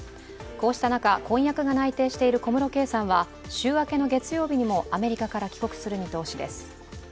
こうした中、婚約が内定している小室圭さんは週明けの月曜日にもアメリカから帰国する見通しです。